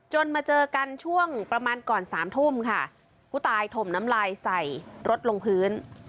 มาเจอกันช่วงประมาณก่อนสามทุ่มค่ะผู้ตายถมน้ำลายใส่รถลงพื้น